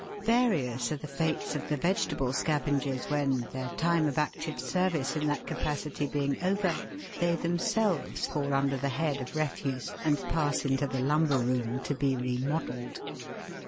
VARIOUS are the fates of the vegetable scavengers, when, their time of active service in that capacity being over, they themselves fall under the head of " refuse," and pass into the lumber room to be remodelled.